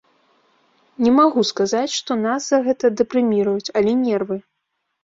Не магу сказаць, што нас за гэта дэпрэміруюць, але нервы.